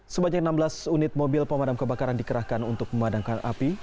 sebanyak enam belas unit mobil pemadam kebakaran dikerahkan untuk memadamkan api